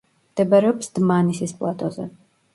მდებარეობს დმანისის პლატოზე.